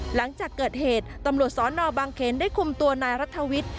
หลังจากเกิดเหตุตำรวจสนบางเขนได้คุมตัวนายรัฐวิทย์